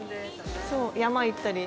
そう山行ったり。